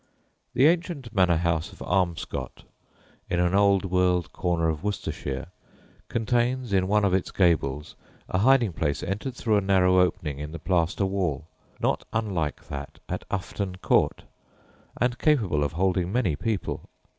] The ancient manor house of Armscot, in an old world corner of Worcestershire, contains in one of its gables a hiding place entered through a narrow opening in the plaster wall, not unlike that at Ufton Court, and capable of holding many people.